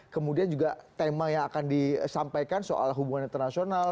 kemudian juga tema yang akan disampaikan soal hubungan internasional